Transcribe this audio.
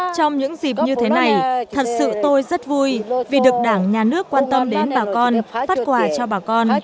trong những dịp như thế này thật sự tôi rất vui vì được đảng nhà nước quan tâm đến bà con phát quà cho bà con